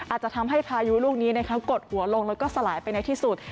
อาจจะทำให้พายุลูกนี้กดหัวลงแล้วก็สลายไปในที่สุด